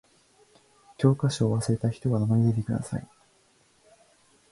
教科書を忘れた人は名乗り出てください。